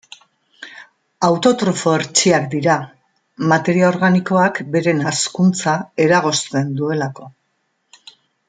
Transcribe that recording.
Autotrofo hertsiak dira, materia organikoak beren hazkuntza eragozten duelako.